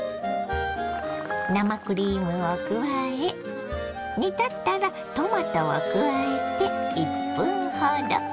生クリームを加え煮立ったらトマトを加えて１分ほど。